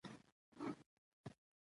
افغانستان کې نمک د چاپېریال د تغیر نښه ده.